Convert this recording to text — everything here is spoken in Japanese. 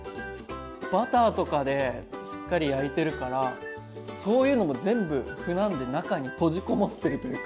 バターとかでしっかり焼いてるからそういうのも全部麩なんで中に閉じこもってるというか。